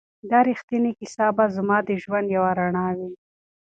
دا ریښتینې کیسه به زما د ژوند یوه رڼا وي.